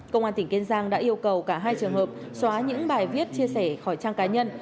công an tỉnh kiên giang đã yêu cầu cả hai trường hợp xóa những bài viết chia sẻ khỏi trang cá nhân